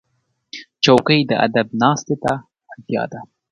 چوکۍ د ادب ناستې ته اړتیا ده.